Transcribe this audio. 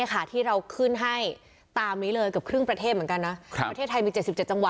ตรวจหาที่เราขึ้นให้ตามนี้เลยกับครึ่งประเทศเหมือนกันนะ